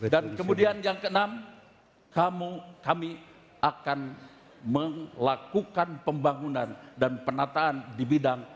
dan kemudian yang ke enam kami akan melakukan pembangunan dan penataan di bidang